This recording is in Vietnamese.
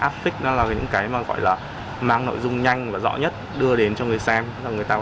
affix nó là những cái mà gọi là mang nội dung nhanh và rõ nhất đưa đến cho người xem người ta có